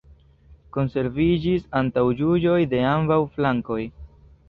Konserviĝis antaŭjuĝoj de ambaŭ flankoj.